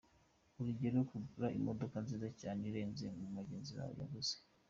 Urugero kugura imodoka nziza cyane irenze iyo mugenzi wawe yaguze.